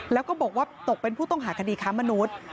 แล้วก็บอกว่าตกเป็นผู้ต้องหาคดีค้ามนุษย์